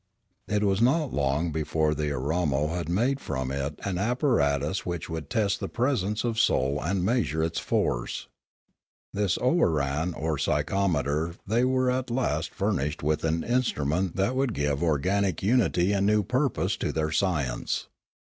It was not long before the Ooaromo had made from it 338 Limanora an apparatus which would test the presence of soul and measure its force. In this ooaran or psychometer they were at last furnished with an instrument that would give organic unity and new purpose to their science.